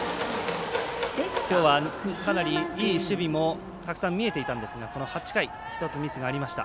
きょうは、かなりいい守備もたくさん見えていたんですがこの８回、１つミスがありました。